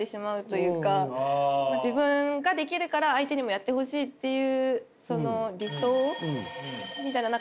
自分ができるから相手にもやってほしいっていうその理想みたいな。